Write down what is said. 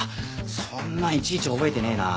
そんないちいち覚えてねえな。